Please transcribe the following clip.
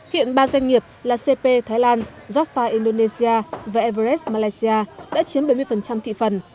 hiện ba doanh nghiệp là cp thái lan jaffa indonesia và everest malaysia đã chiếm bảy mươi thị phần